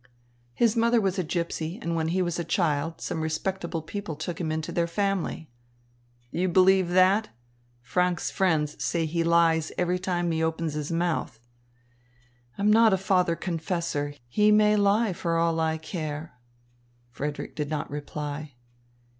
"His mother was a gypsy, and when he was a child, some respectable people took him into their family." "Do you believe that? Franck's friends say he lies every time he opens his mouth." "I'm not a father confessor. He may lie for all I care." Frederick did not reply.